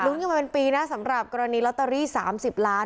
กันมาเป็นปีนะสำหรับกรณีลอตเตอรี่๓๐ล้าน